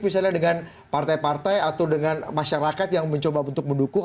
misalnya dengan partai partai atau dengan masyarakat yang mencoba untuk mendukung